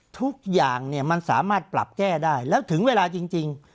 ทุกอย่างเนี่ยมันสามารถปรับแก้ได้แล้วถึงเวลาจริง